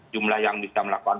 jumlah yang bisa melakukan